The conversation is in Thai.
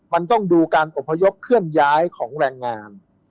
มันต้องดูการอบพยพเคลื่อนย้ายของแรงงาน